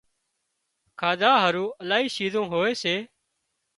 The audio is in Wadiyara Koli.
کاڌا هارُو الاهي شِيزون هوئي سي